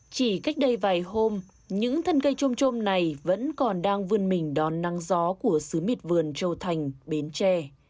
chỉ cách đây vài hôm những thân cây trôm trôm này vẫn còn đang vươn mình đón nắng gió của xứ mịt vườn châu thành bến tre